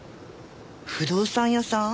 不動産屋さん？